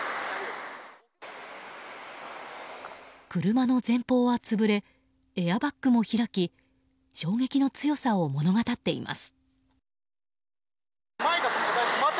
車の前方は潰れエアバッグも開き衝撃の強さを物語っています。